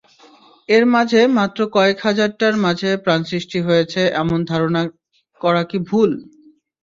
এর মাঝে মাত্র কয়েক হাজারটার মাঝে প্রাণ সৃষ্টি হয়েছে এমন ধারণা করা কী ভুল?